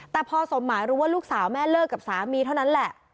แต่พอสมหมายรู้ว่าลูกสาวแม่เลิกกับสามีเท่านั้นแหละ